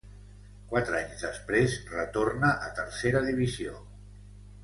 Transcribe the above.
Quatre anys després, retorna a Tercera Divisió.